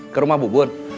ke rumah bu bun